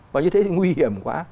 và như thế thì nguy hiểm quá